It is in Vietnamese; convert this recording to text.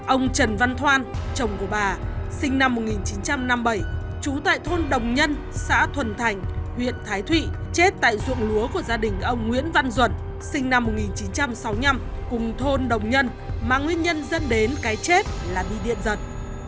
ông trần văn thoan chồng của bà sinh năm một nghìn chín trăm năm mươi bảy trú tại thôn đồng nhân xã thuần thành huyện thái thụy chết tại ruộng lúa của gia đình ông nguyễn văn duẩn sinh năm một nghìn chín trăm sáu mươi năm cùng thôn đồng nhân mà nguyên nhân dẫn đến cái chết là bị điện giật